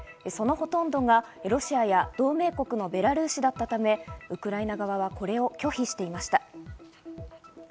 そのほとんどがロシアや同盟国のベラルーシだったため、ウクライナ側はこれを拒否していました。